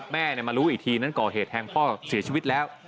แม่มารู้อีกทีนั้นก่อเหตุแทงพ่อเสียชีวิตแล้ว